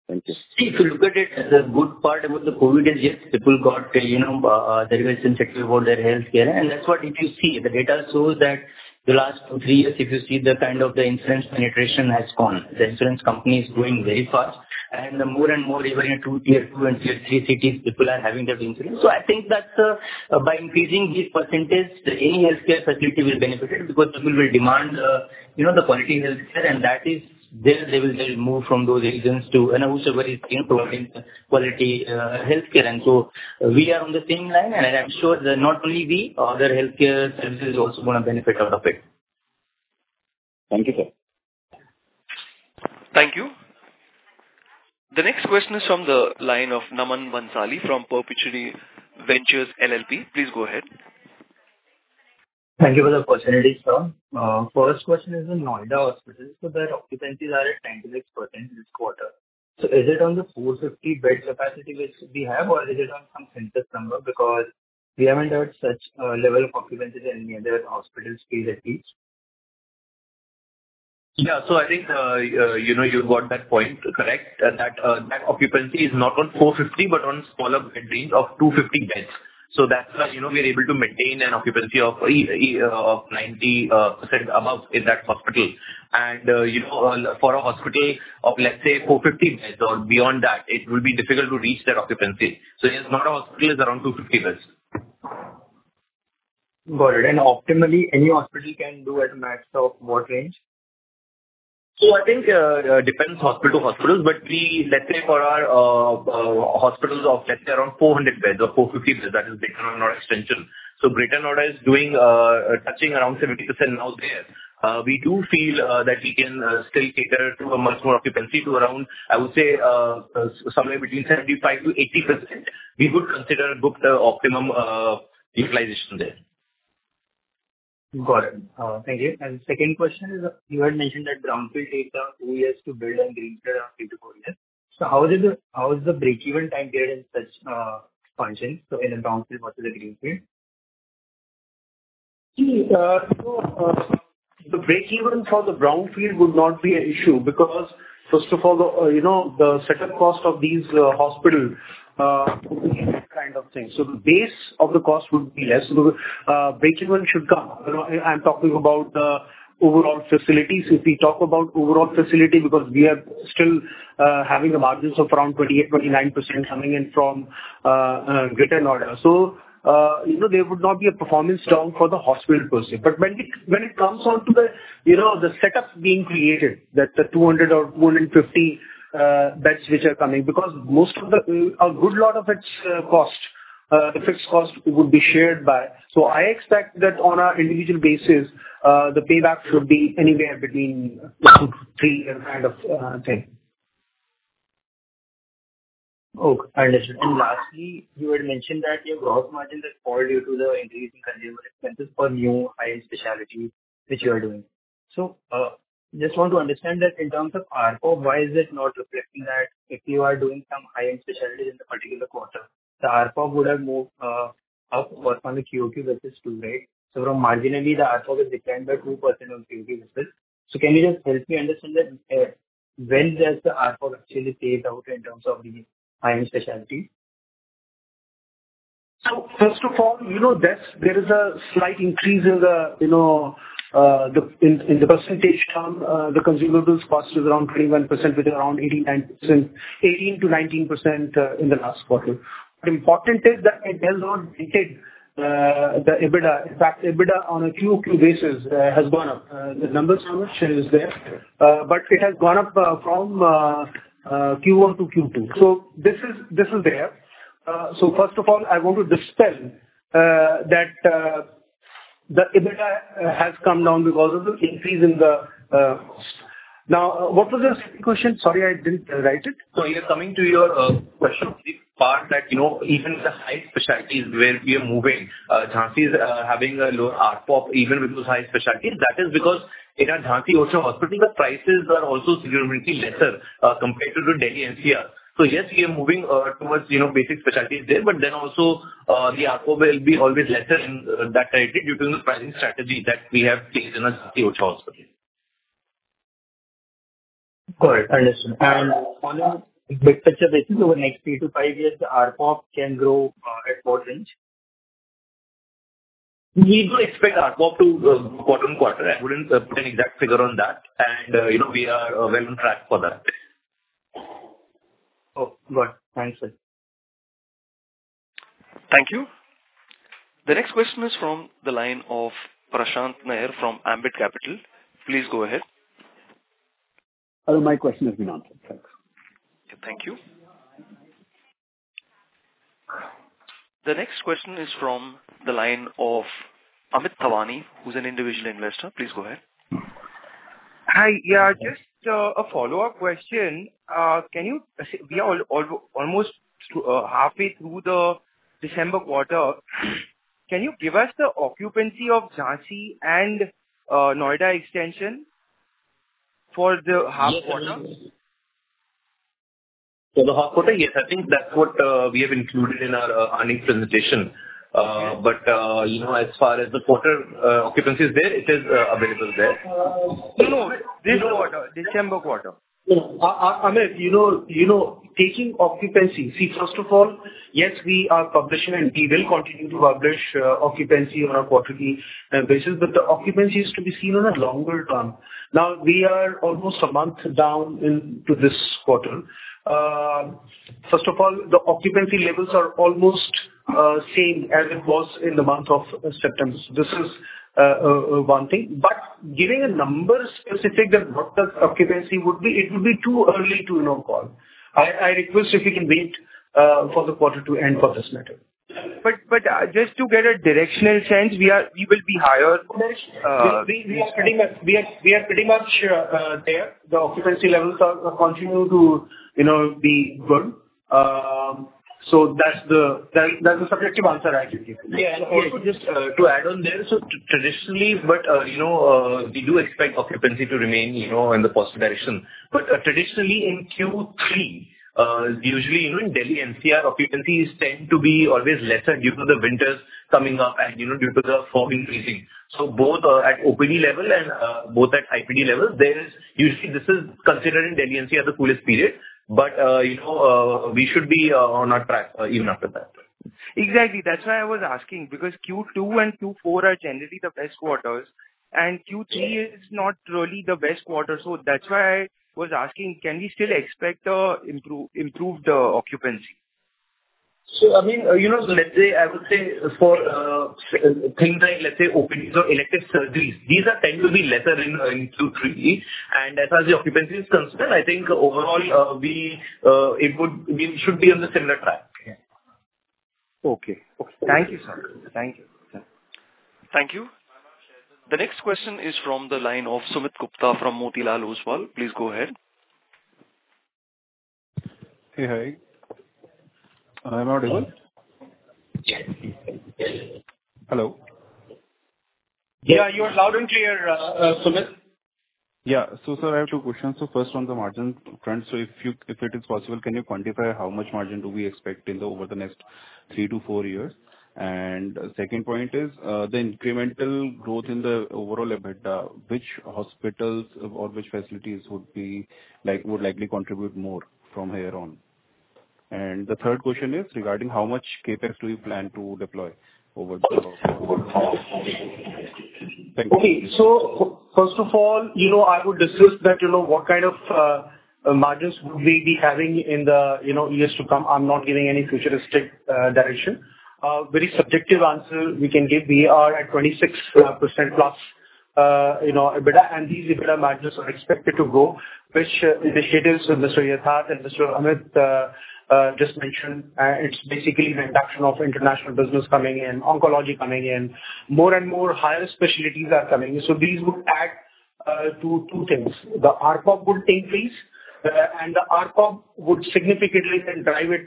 If you look at it, a good part about the COVID is, yes, people got the private sector for their healthcare. And that's what, if you see, the data shows that the last two, three years, if you see, the kind of the insurance penetration has grown. The insurance company is growing very fast. And more and more, even in two- and tier-three cities, people are having that insurance. So I think that by increasing this percentage, any healthcare facility will benefit because people will demand the quality healthcare. And that is, they will move from those regions to whichever is providing the quality healthcare. And so we are on the same line. And I'm sure that not only we, other healthcare services are also going to benefit out of it. Thank you, sir. Thank you. The next question is from the line of Naman Bhansali from Perpetuity Ventures LLP. Please go ahead. Thank you for the opportunity, sir. First question is in Noida Hospital. So their occupancies are at 96% this quarter. So is it on the 450 bed capacity which we have, or is it on some census number? Because we haven't heard such a level of occupancy in any other hospitals phase at least. Yeah. So I think you got that point correct, that occupancy is not on 450, but on smaller range of 250 beds. So that's why we are able to maintain an occupancy of 90% above in that hospital. And for a hospital of, let's say, 450 beds or beyond that, it will be difficult to reach that occupancy. So yes, not all hospitals are around 250 beds. Got it. And optimally, any hospital can do at a max of what range? So I think it depends hospital to hospital. But let's say for our hospitals of, let's say, around 400 beds or 450 beds, that is Greater Noida Extension. So Greater Noida is doing touching around 70% now there. We do feel that we can still cater to a much more occupancy to around, I would say, somewhere between 75%-80%. We would consider booked optimum utilization there. Got it. Thank you. And the second question is, you had mentioned that brownfield takes around two years to build and greenfield around three to four years. So how is the break-even time period in such functions? So in a brownfield versus a greenfield? The break-even for the brownfield would not be an issue because, first of all, the setup cost of these hospitals, that kind of thing, so the base of the cost would be less, so the break-even should come. I'm talking about the overall facilities. If we talk about overall facility because we are still having a margin of around 28%-29% coming in from Greater Noida, so there would not be a performance down for the hospital per se. But when it comes on to the setup being created, that the 200 or 250 beds which are coming, because most of the, a good lot of its cost, the fixed cost, would be shared by, so I expect that on an individual basis, the payback should be anywhere between two to three and kind of thing. Okay. I understand. And lastly, you had mentioned that your gross margin has fallen due to the increase in consumer expenses for new high-end specialties which you are doing. So I just want to understand that in terms of ARPO, why is it not reflecting that if you are doing some high-end specialties in the particular quarter? The ARPO would have moved up from the QOQ versus Q rate. So from marginally, the ARPO is declined by 2% on QOQ versus. So can you just help me understand that when does the ARPO actually fade out in terms of the high-end specialties? So first of all, there is a slight increase in the percentage term. The consumables cost is around 21%, which is around 18%-19% in the last quarter. But important is that it has not dented the EBITDA. In fact, EBITDA on a QOQ basis has gone up. The numbers are not shown there, but it has gone up from Q1 to Q2. So this is there. So first of all, I want to dispel that the EBITDA has come down because of the increase in the cost. Now, what was your second question? Sorry, I didn't write it. So you're coming to your question on the part that even the high-end specialties where we are moving, Jhansi is having a lower ARPO even with those high-end specialties. That is because in a Jhansi Orchha Hospital, the prices are also significantly lesser compared to Delhi NCR. So yes, we are moving towards basic specialties there, but then also the ARPO will be always lesser in that territory due to the pricing strategy that we have placed in a Jhansi Orchha Hospital. Got it. I understand. And on a big picture basis, over the next three to five years, the ARPO can grow at what range? We do expect ARPO to quarter on quarter. I wouldn't put an exact figure on that, and we are well on track for that. Oh, good. Thanks, sir. Thank you. The next question is from the line of Prashant Nair from Ambit Capital. Please go ahead. Hello. My question has been answered. Thanks. Thank you. The next question is from the line of Amit Thawani, who's an individual investor. Please go ahead. Hi. Yeah, just a follow-up question. We are almost halfway through the December quarter. Can you give us the occupancy of Jhansi and Noida Extension for the half quarter? For the half quarter, yes. I think that's what we have included in our earnings presentation. But as far as the quarter occupancy is there, it is available there. No, no. This quarter, December quarter. Amit, taking occupancy, see, first of all, yes, we are publishing and we will continue to publish occupancy on a quarterly basis. But the occupancy is to be seen on a longer term. Now, we are almost a month down into this quarter. First of all, the occupancy levels are almost same as it was in the month of September. So this is one thing. But giving a number specific that what the occupancy would be, it would be too early to know. I request if we can wait for the quarter to end for this matter. But just to get a directional sense, we will be higher. We are pretty much there. The occupancy levels continue to be good. So that's the subjective answer I can give. Yeah. And also, just to add on there, so traditionally, but we do expect occupancy to remain in the positive direction. But traditionally, in Q3, usually in Delhi NCR, occupancies tend to be always lesser due to the winters coming up and due to the fog increasing. So both at OPD level and both at IPD level, there is usually this is considered in Delhi NCR the coolest period. But we should be on our track even after that. Exactly. That's why I was asking because Q2 and Q4 are generally the best quarters, and Q3 is not really the best quarter, so that's why I was asking: can we still expect improved occupancy? So I mean, let's say I would say for things like, let's say, OPD or elective surgeries, these tend to be lesser in Q3, and as far as the occupancy is concerned, I think overall, we should be on the similar track. Okay. Okay. Thank you, sir. Thank you. Thank you. The next question is from the line of Sumit Gupta from Motilal Oswal. Please go ahead. Hey, hi. I'm audible? Yes. Hello. Yeah. You are loud and clear, Sumit. Yeah. So sir, I have two questions. So first, on the margin trend, so if it is possible, can you quantify how much margin do we expect over the next three-to-four years? And second point is the incremental growth in the overall EBITDA, which hospitals or which facilities would likely contribute more from here on? And the third question is regarding how much CapEx do we plan to deploy over the next three years? Thank you. Okay. So first of all, I would discuss that what kind of margins would we be having in the years to come. I'm not giving any futuristic direction. Very subjective answer we can give. We are at 26% plus EBITDA, and these EBITDA margins are expected to grow, with initiatives Mr. Yatharth and Mr. Amit just mentioned. It's basically the induction of international business coming in, oncology coming in. More and more higher specialties are coming. So these would add to two things. The ARPO would increase, and the ARPO would significantly then drive it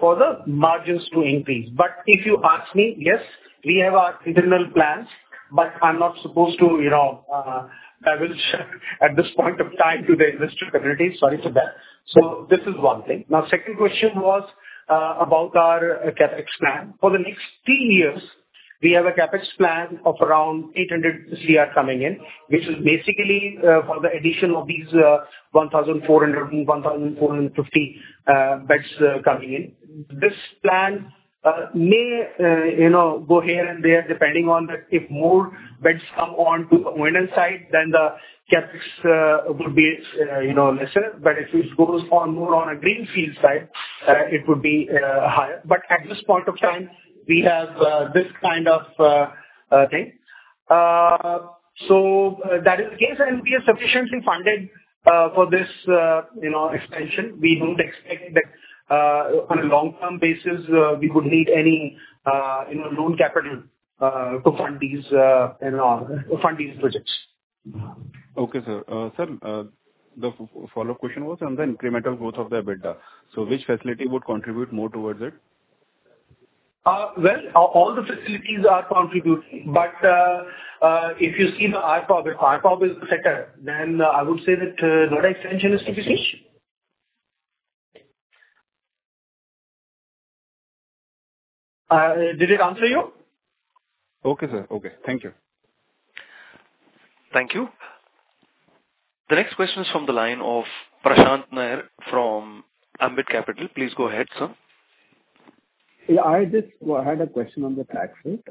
for the margins to increase, but if you ask me, yes, we have our internal plans, but I'm not supposed to divulge at this point of time to the investor community. Sorry for that, so this is one thing. Now, second question was about our CAPEX plan. For the next three years, we have a CapEx plan of around 800 crore coming in, which is basically for the addition of these 1,400-1,450 beds coming in. This plan may go here and there depending on that if more beds come on the brownfield side, then the CapEx would be lesser, but if it goes more on a greenfield side, it would be higher, but at this point of time, we have this kind of thing. So that is the case, and we are sufficiently funded for this expansion. We don't expect that on a long-term basis, we would need any loan capital to fund these projects. Okay, sir. Sir, the follow-up question was on the incremental growth of the EBITDA. So which facility would contribute more towards it? All the facilities are contributing, but if you see the ARPO, if ARPO is the setup, then I would say that Noida Extension is to be seen. Did it answer you? Okay, sir. Okay. Thank you. Thank you. The next question is from the line of Prashant Nair from Ambit Capital. Please go ahead, sir. Yeah. I had a question on the tax rate,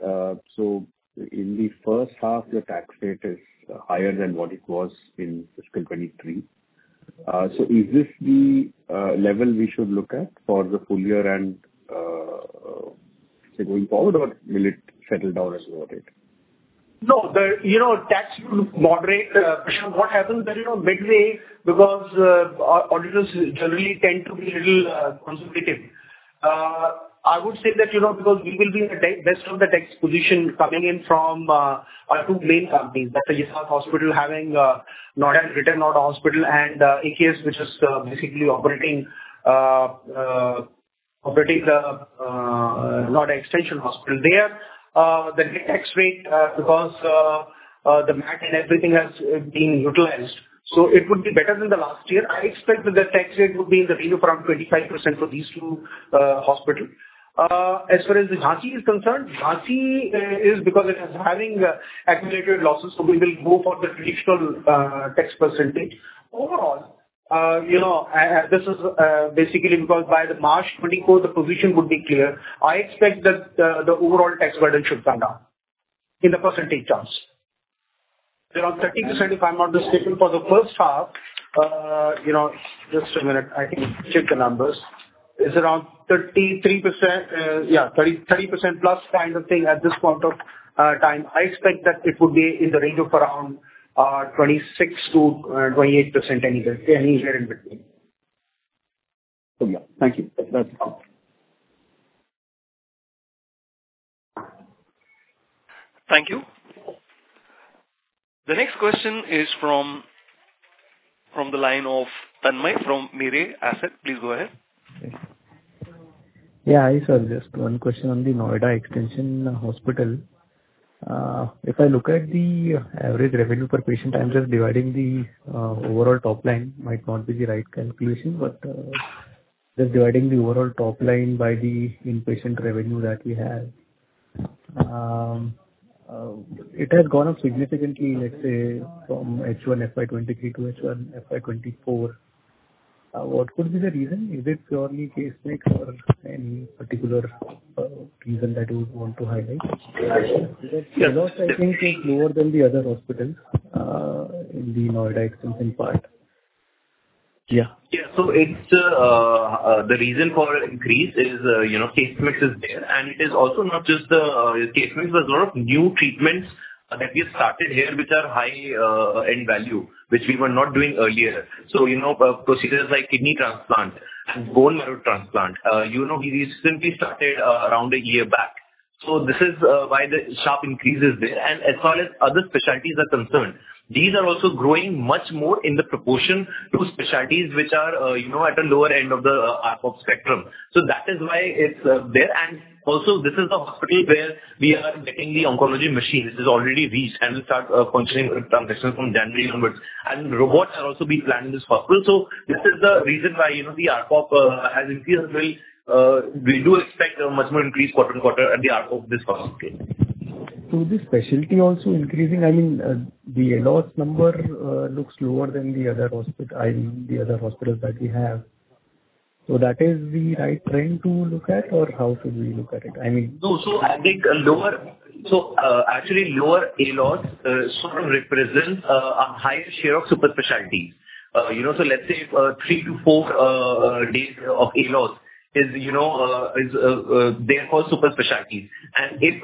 so in the first half, the tax rate is higher than what it was in fiscal 2023, so is this the level we should look at for the full year and going forward, or will it settle down as we got it? No. Tax should moderate. What happens is that midway because auditors generally tend to be a little conservative. I would say that because we will be in the best of the tax position coming in from our two main companies, Yatharth Hospital having Noida Hospital and AKS, which is basically operating the Noida Extension Hospital there. The tax rate because the MAT and everything has been utilized. So it would be better than the last year. I expect that the tax rate would be in the range of around 25% for these two hospitals. As far as Jhansi is concerned, Jhansi is because it is having accumulated losses, so we will go for the traditional tax percentage. Overall, this is basically because by March 2024, the position would be clear. I expect that the overall tax burden should come down in the percentage terms. Around 30%, if I'm not mistaken, for the first half. Just a minute. I can check the numbers. It's around 33%, yeah, 30% plus kind of thing at this point of time. I expect that it would be in the range of around 26%-28% anywhere in between. So yeah. Thank you. That's all. Thank you. The next question is from the line of Tanmay from Mirae Asset. Please go ahead. Yeah. I just have one question on the Noida Extension Hospital. If I look at the average revenue per patient, I'm just dividing the overall top line. Might not be the right calculation, but just dividing the overall top line by the inpatient revenue that we have. It has gone up significantly, let's say, from H1FY23 to H1FY24. What could be the reason? Is it purely case mix or any particular reason that you would want to highlight? I think it's lower than the other hospitals in the Noida Extension part. Yeah. Yeah. So the reason for increase is case mix is there. And it is also not just the case mix. There's a lot of new treatments that we have started here which are high-end value, which we were not doing earlier. So procedures like kidney transplant and bone marrow transplant, we recently started around a year back. So this is why the sharp increase is there. And as far as other specialties are concerned, these are also growing much more in proportion to specialties which are at a lower end of the ARPO spectrum. So that is why it's there. And also, this is the hospital where we are getting the oncology machine. This is already reached and will start functioning transition from January onwards. And robots are also being planned in this hospital. So this is the reason why the ARPO has increased. We do expect a much more increase quarter on quarter at the ARPO of this hospital. So the specialty also increasing. I mean, the ALOS number looks lower than the other hospitals that we have. So that is the right trend to look at, or how should we look at it? I mean. No. So I think, actually lower ALOS sort of represents a higher share of super specialties. So let's say three to four days of ALOS is there for super specialties. And if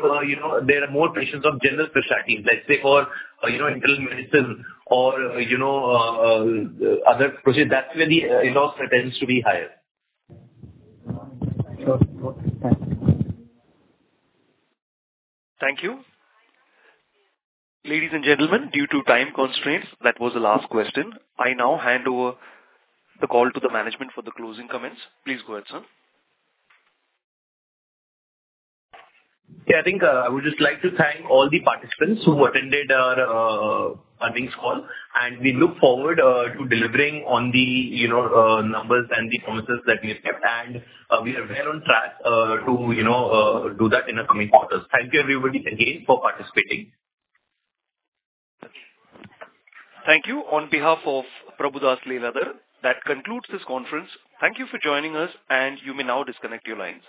there are more patients of general specialties, let's say for internal medicine or other procedures, that's where the ALOS tends to be higher. Sure. Thank you. Thank you. Ladies and gentlemen, due to time constraints, that was the last question. I now hand over the call to the management for the closing comments. Please go ahead, sir. Yeah. I think I would just like to thank all the participants who attended our earnings call. And we look forward to delivering on the numbers and the promises that we have kept. And we are well on track to do that in the coming quarters. Thank you, everybody, again for participating. Thank you. On behalf of Prabhudas Lilladher, that concludes this conference. Thank you for joining us, and you may now disconnect your lines.